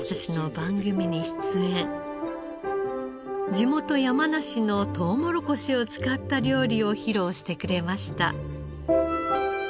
地元山梨のトウモロコシを使った料理を披露してくれました。